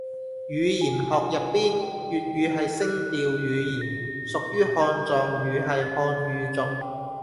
語言學入邊，粵語係聲調語言，屬於漢藏語系漢語族